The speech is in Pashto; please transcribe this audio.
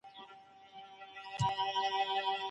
یو مخکې او بل ورپسې.